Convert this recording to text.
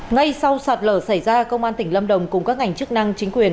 ngay sau sạt lở xảy ra công an tỉnh lâm đồng cùng các ngành chức năng chính quyền